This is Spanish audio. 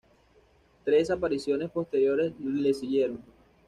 Tres apariciones posteriores le siguieron.